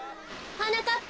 はなかっぱ！